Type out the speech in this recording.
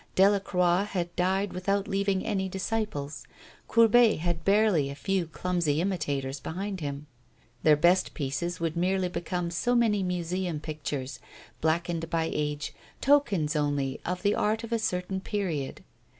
Delacroix had died without leaving any disciples. Courbet had barely a few clumsy imitators behind him; their best pieces would merely become so many museum pictures, blackened by age, tokens only of the art of a certain period.